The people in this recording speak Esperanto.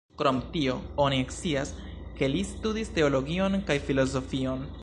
Krom tio, oni scias ke li studis teologion kaj filozofion.